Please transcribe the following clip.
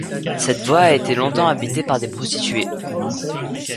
Cette voie a été longtemps habitée par des prostituées.